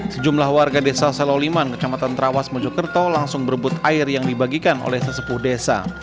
sejumlah warga desa seloliman kecamatan trawas mojokerto langsung berebut air yang dibagikan oleh sesepuh desa